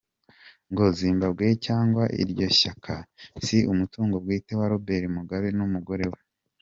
Ngo Zimbabwe cyangwa iryo shyaka si umutungo bwite wa Robert Mugabe n’umugore we.